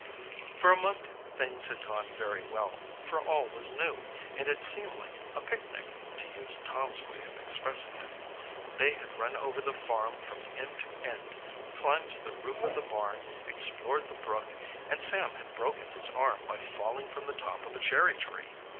For a month things had gone very well, for all was new, and it seemed like a "picnic," to use Tom's way of expressing it. They had run over the farm from end to end, climbed to the roof of the barn, explored the brook, and Sam had broken his arm by falling from the top of a cherry tree.